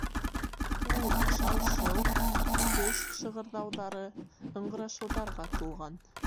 Ул шау-шыу, теш шығырҙауҙары, ыңғырашыуҙарға тулған.